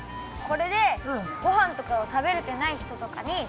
これでごはんとかを食べれてないひととかに。